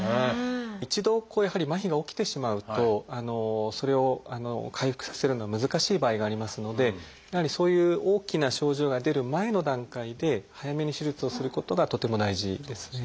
一度やはり麻痺が起きてしまうとそれを回復させるのは難しい場合がありますのでやはりそういう大きな症状が出る前の段階で早めに手術をすることがとっても大事ですね。